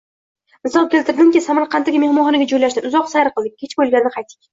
Misol keltirdimki, Samarqanddagi mehmonxonaga joylashdim, uzoq sayr qildik, kech boʻlganda qaytdik